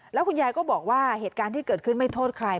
แล้วคุณยายก็บอกว่าเหตุการณ์ที่เกิดขึ้นไม่โทษใคร